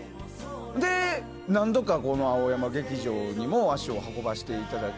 で、何度か青山劇場にも足を運ばせていただき